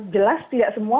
jelas tidak semua